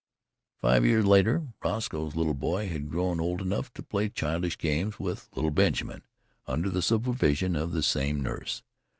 Five years later Roscoe's little boy had grown old enough to play childish games with little Benjamin under the supervision of the same nurse.